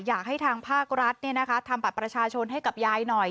อยากให้ทางภาครัฐเนี่ยนะคะทำปรัชชาชนให้กับยายหน่อย